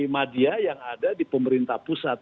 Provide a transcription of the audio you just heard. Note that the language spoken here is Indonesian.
media yang ada di pemerintah pusat